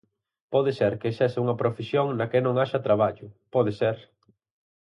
Pode ser que sexa unha profesión na que non haxa traballo, pode ser.